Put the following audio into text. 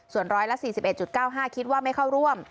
ส่วน๑๔๑๙๕คิดว่าไม่เข้าร่วม